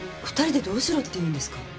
２人でどうしろって言うんですか？